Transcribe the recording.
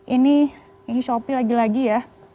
ini shopee lagi lagi ya